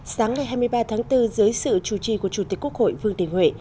sáng ngày hai mươi ba tháng bốn dưới sự chủ trì của chủ tịch quốc hội vương đình huệ